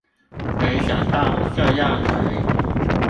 沒想到這藥局